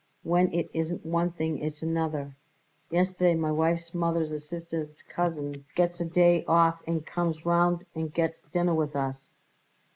When it isn't one thing it's another. Yesterday my wife's mother's a sister's cousin gets a day off and comes round and gets dinner with us.